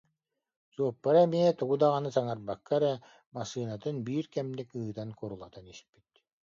Суоппара эмиэ тугу даҕаны саҥарбакка эрэ, массыынатын биир кэмник ыытан курулатан испит